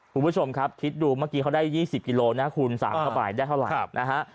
คุณผู้ชมครับคิดดูเมื่อกี้เขาได้๒๐กิโลนะคูณ๓เข้าไปได้เท่าไหร่นะฮะ